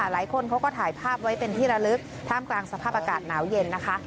หลายคนเขาก็ถ่ายภาพไว้เป็นที่ระลึกท่ามกลางสภาพอากาศหนาวเย็นนะคะ